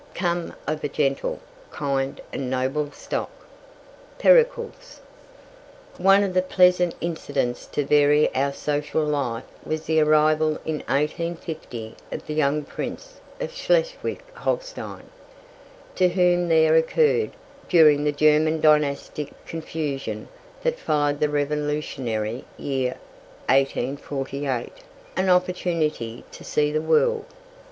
"Come of a gentle, kind, and noble stock." Pericles. One of the pleasant incidents to vary our social life was the arrival in 1850 of the young Prince of Schleswig Holstein, to whom there occurred, during the German dynastic confusion that followed the revolutionary year 1848, an opportunity to see the world.